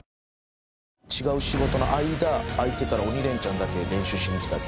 違う仕事の間空いてたら『鬼レンチャン』だけ練習しに来たり。